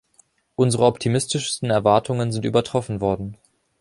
Unsere optimistischsten Erwartungen sind übertroffen worden.